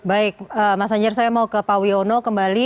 baik mas anjir saya mau ke pak wiono kembali